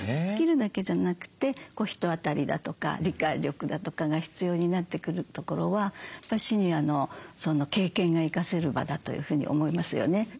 スキルだけじゃなくて人当たりだとか理解力だとかが必要になってくるところはシニアの経験が生かせる場だというふうに思いますよね。